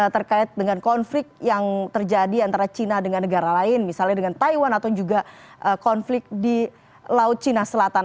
terkait dengan konflik yang terjadi antara china dengan negara lain misalnya dengan taiwan atau juga konflik di laut cina selatan